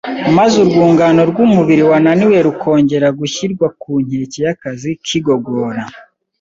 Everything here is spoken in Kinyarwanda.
maze urwungano rw’umubiri wananiwe rukongera gushyirwa ku nkeke y’akazi k’igogora.